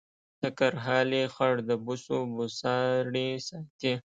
د کرهالې خړ د بوسو بوساړې ساتي